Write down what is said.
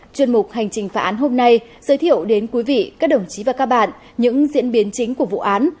chuyên mục hành trình phá án hôm nay giới thiệu đến quý vị các đồng chí và các bạn những diễn biến chính của vụ án